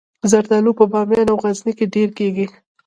زردالو په بامیان او غزني کې ډیر کیږي